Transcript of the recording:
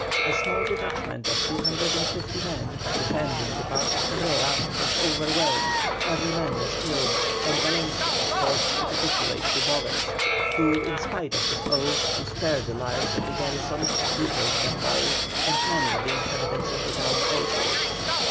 A small detachment of 250 men defending the pass of Cabrera was overwhelmed, every man was killed, and Valencia was forced to capitulate to Boves, who, in spite of his oath to spare the lives of the garrison, butchered them all, and many of the inhabitants of the town also.